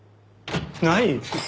ない！？